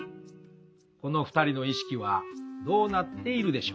この２人の意識はどうなっているでしょうか？